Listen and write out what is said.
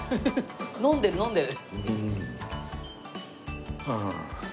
飲んでる飲んでる。